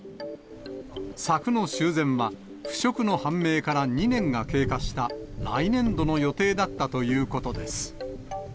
柵の修繕は、腐食の判明から２年が経過した来年度の予定だったということです。